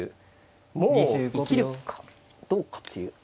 もう生きるかどうかっていう。